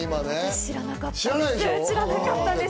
知らなかったです。